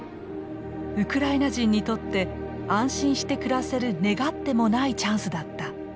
ウクライナ人にとって安心して暮らせる願ってもないチャンスだった。